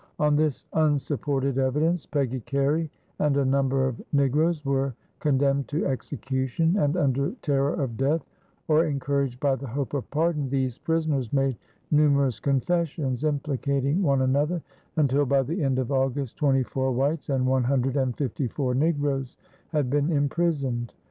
On this unsupported evidence Peggy Carey and a number of negroes were condemned to execution, and under terror of death, or encouraged by the hope of pardon, these prisoners made numerous confessions implicating one another, until by the end of August twenty four whites and one hundred and fifty four negroes had been imprisoned.